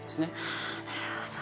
はあなるほど。